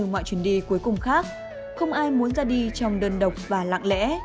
trong mọi chuyến đi cuối cùng khác không ai muốn ra đi trong đơn độc và lạng lẽ